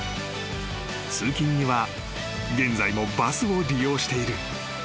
［通勤には現在もバスを利用している］